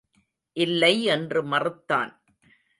இல்லை என்று மறுத்தான்.